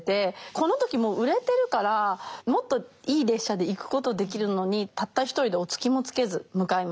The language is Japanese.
この時もう売れてるからもっといい列車で行くことできるのにたった一人でお付きもつけず向かいます。